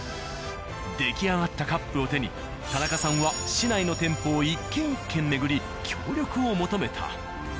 出来上がったカップを手に田中さんは市内の店舗を一軒一軒巡り協力を求めた。